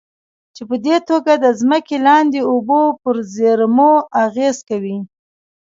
چې پدې توګه د ځمکې لاندې اوبو پر زېرمو اغېز کوي.